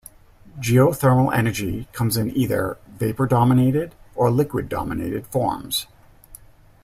Geothermal energy comes in either "vapor-dominated" or "liquid-dominated" forms.